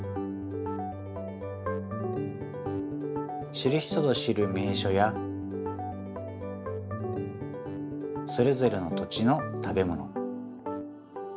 知る人ぞ知る名所やそれぞれの土地の食べもの。